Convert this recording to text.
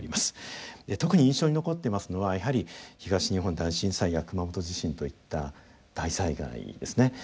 特に印象に残ってますのはやはり東日本大震災や熊本地震といった大災害ですね。